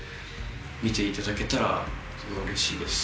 見ていただけたらそれはうれしいです。